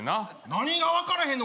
何が分からへんの？